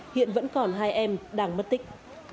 hiện vẫn còn hai em đang mất tích